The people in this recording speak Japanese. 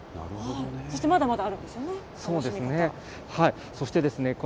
そしてまだまだあるんですよね、楽しみ方。